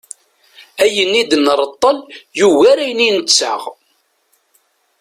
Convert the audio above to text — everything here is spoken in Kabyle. Ayen i d-nreṭṭel yugar ayen i nettaɣ.